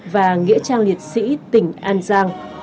và nghĩa trang liệt sĩ tỉnh an giang